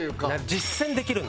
実践できるんだ。